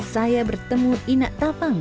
saya bertemu inak tapang